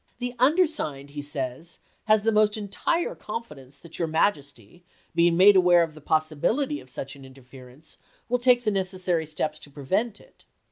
"The undersigned," he says, "has the Archives, most entire confidence that your Majesty, being made aware of the possibility of such an interfer ence, will take the necessary steps to prevent it; 276 ABEAHAM LINCOLN chap.x.